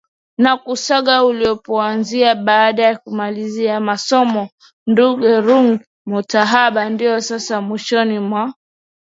na Kusaga ulipoanzia baada ya kumaliza masomo Ndugu Ruge Mutahaba ndipo sasa Mwishoni mwa